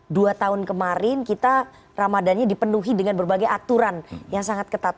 dua tahun kemarin kita ramadannya dipenuhi dengan berbagai aturan yang sangat ketat